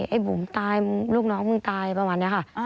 ไอ้บุ๋มตายลูกน้องมึงตายประมาณนี้ค่ะ